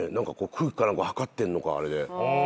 空気か何か測ってんのか？